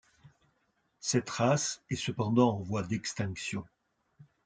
Cette race est cependant en voie d'extinction.